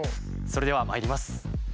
それではまいります。